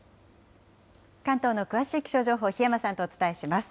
関東の詳しい気象情報、檜山さんとお伝えします。